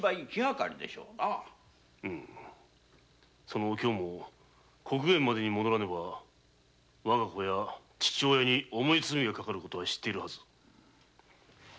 そのお京も刻限までに戻らねば我が子や父親に重い罪がかかる事は知っているはず。